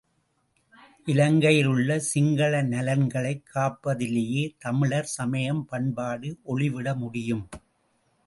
இலங்கையில் உள்ள சிங்கள நலன்களைக் காப்பதிலேயே தமிழர் சமயம் பண்பாடு ஒளிவிட முடியும்!